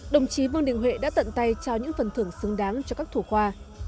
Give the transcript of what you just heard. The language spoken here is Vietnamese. đồng chí vương đình huệ đã tận tay trao những phần thưởng xứng đáng cho các thủ khoa